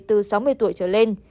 từ sáu mươi tuổi trở lên